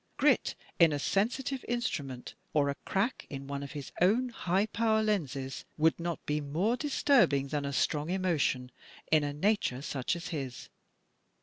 Grit in a sensitive instrument, or a crack in one of his own high power lenses, would not be more disturbing than a strong emotion in a nature such as his.